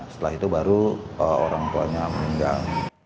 setelah itu baru orang tuanya meninggal